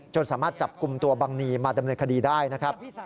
สามารถจับกลุ่มตัวบังนีมาดำเนินคดีได้นะครับ